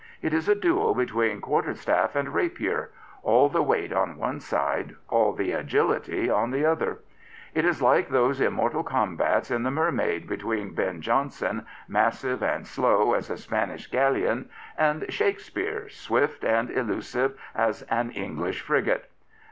It is a duel between quarterstafl and rapier — all the weight on one side, all the agility on the other. It is like those immortal combats at the " Mermaid " between Ben Jonson, massive and slow as a Spanish galleon, and Shakespeare, swift and elusive as an English 159 Prophets, Priests, and Kings frigate.